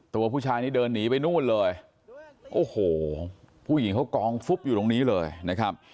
ตัวผู้ชายนี้เดินหนีไปนู่นเลยโอ้โหผู้หญิงเขากองฟุบอยู่ตรงนี้เลยนะครับ